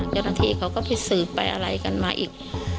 เจ้าหน้าที่เขาก็ไปสืบไปอะไรกันมาอีก